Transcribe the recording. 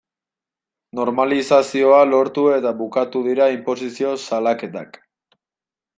Normalizazioa lortu eta bukatu dira inposizio salaketak.